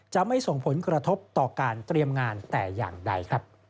จะไม่ส่งผลกระทบต่อการเตรียมงานแต่อย่างใด